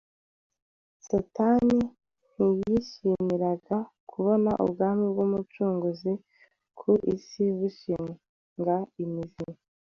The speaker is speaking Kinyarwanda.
Satani ntiyishimira kubona Ubwami bw’Umucunguzi ku isi bushinga imizi.